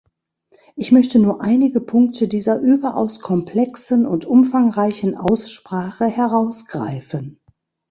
Ich möchte nur einige Punkte dieser überaus komplexen und umfangreichen Aussprache herausgreifen.